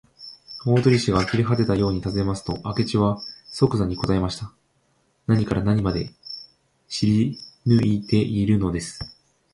大鳥氏があきれはてたようにたずねますと、明智はそくざに答えました。何から何まで知りぬいているのです。